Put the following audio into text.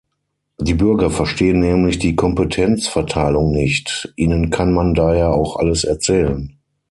Die Bürger verstehen nämlich die Kompetenzverteilung nicht, ihnen kann man daher auch alles erzählen.